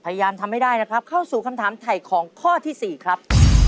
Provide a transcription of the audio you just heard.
พยายามทำให้ได้นะครับเข้าสู่คำถามถ่ายของข้อที่สี่ครับ